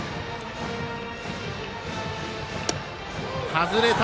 外れた。